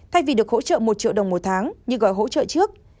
thay vì được hỗ trợ một triệu đồng một tháng như gói hỗ trợ trước